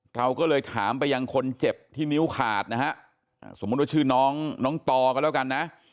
เราก็เลยถามไปยังคนเจ็บที่นิ้วขาดนะฮะสมมุติว่าชื่อน้องน้องต่อกันแล้วกันนะ